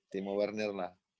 timo werner lah